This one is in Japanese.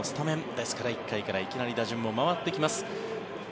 ですから１回からいきなり打順も回ってます。